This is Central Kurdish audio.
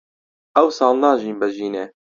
ئەوساڵ ناژیم بە ژینێ